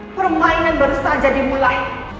permainan baru saja dimulai